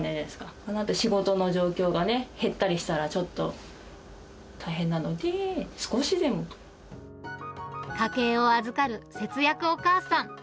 このあと仕事の状況がね、減ったりしたら、ちょっと大変なので、少しでも。家計を預かる節約お母さん。